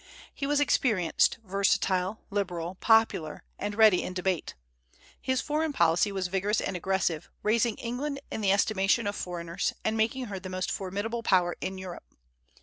He was experienced, versatile, liberal, popular, and ready in debate. His foreign policy was vigorous and aggressive, raising England in the estimation of foreigners, and making her the most formidable Power in Europe.